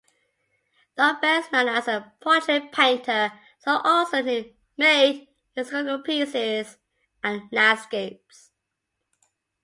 Though best known as a portrait painter, Sully also made historical pieces and landscapes.